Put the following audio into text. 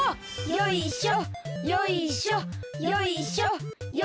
よいしょよいしょよいしょ。